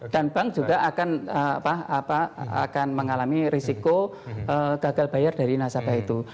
dan bank juga akan mengalami risiko gagal bayar dari nasabah itu